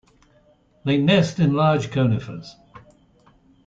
They nest in large conifers.